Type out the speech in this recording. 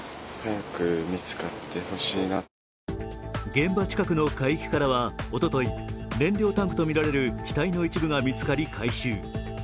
現場近くの海域からはおととい燃料タンクとみられる機体の一部が見つかり、回収。